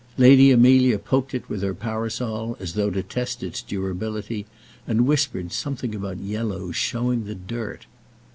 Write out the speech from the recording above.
Lady Amelia poked it with her parasol as though to test its durability, and whispered something about yellows showing the dirt.